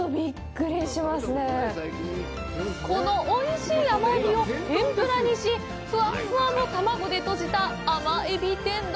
このおいしい甘エビを天ぷらにしふわふわの卵で閉じた甘エビ天丼！